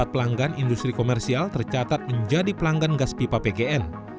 dua lima ratus empat pelanggan industri komersial tercatat menjadi pelanggan gas pipa pgn